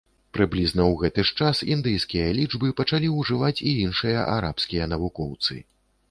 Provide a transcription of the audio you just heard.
Прыблізна ў гэты ж час індыйскія лічбы пачалі ўжываць і іншыя арабскія навукоўцы.